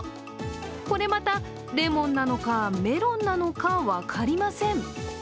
これまた、レモンなのかメロンなのか分かりません。